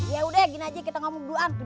yaudah gini aja kita ngomong duluan